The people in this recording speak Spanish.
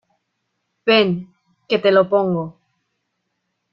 ven, que te lo pongo.